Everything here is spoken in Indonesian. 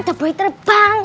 mana buaya terbang